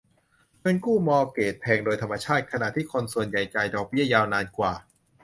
เงินกู้มอร์เกจแพงโดยธรรมชาติ ขณะที่คนส่วนใหญ่จ่ายดอกเบี้ยยาวนานกว่า